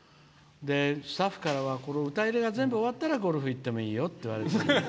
スタッフからは、この歌入れが全部終わったらゴルフ行ってもいいよって。